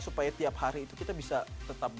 supaya tiap hari itu kita bisa tetap